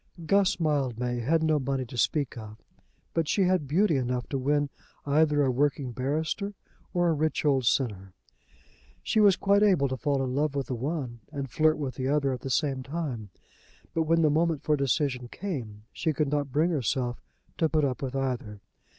Guss Mildmay had no money to speak of, but she had beauty enough to win either a working barrister or a rich old sinner. She was quite able to fall in love with the one and flirt with the other at the same time; but when the moment for decision came, she could not bring herself to put up with either.